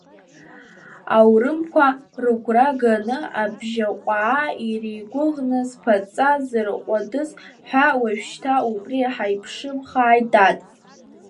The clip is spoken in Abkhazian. Аурымқәа рыгәра ганы, Абжьаҟәаа иреигәыӷны зԥаҵа зырҟәадыз ҳәа, уажәшьҭан убри ҳаиԥшымхааит, дад!